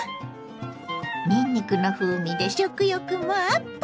にんにくの風味で食欲もアップ！